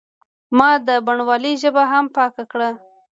ما د بڼوالۍ ژبه هم پاکه کړه.